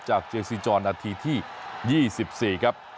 จากเจียงซีจอร์ณทีที่๒๔ครับ